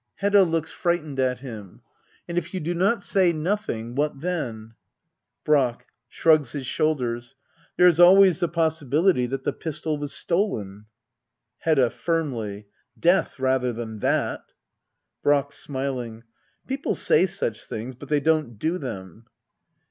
Hedda. [Looks frightened at him.] And if you do not say nothing, — what then ? Brack. [Shrugs his shoulders,] There is always the possi bility that the pistol was stolen. Hedda. [Firmlif,] Death rather than that. Brack. [Smiling,] People say such things — but they don't do them.